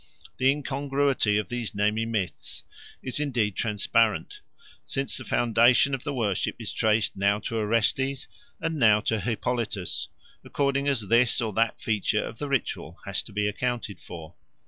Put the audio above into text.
The incongruity of these Nemi myths is indeed transparent, since the foundation of the worship is traced now to Orestes and now to Hippolytus, according as this or that feature of the ritual has to be accounted for.